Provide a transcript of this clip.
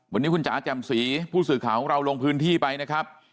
วันนี้คุณจ๋าแจ่มสีผู้สื่อข่าวของเราลงพื้นที่ไปนะครับ